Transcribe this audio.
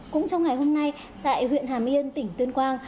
cũng trong ngày hôm nay tại huyện hàm yên tỉnh tuyên quang